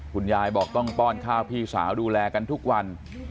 คุณยายบอกต้องป้อนข้าวพี่สาวดูแลกันทุกวัน